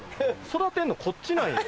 育てんのこっちなんよ。